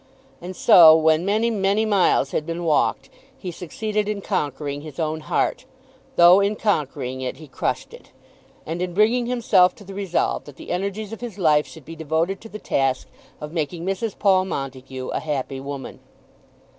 And so, when many many miles had been walked, he succeeded in conquering his own heart, though in conquering it he crushed it, and in bringing himself to the resolve that the energies of his life should be devoted to the task of making Mrs. Paul Montague a happy woman.